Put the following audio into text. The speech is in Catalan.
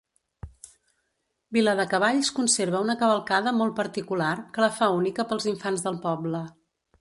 Viladecavalls conserva una cavalcada molt particular, que la fa única pels infants del poble.